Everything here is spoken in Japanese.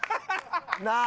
なあ！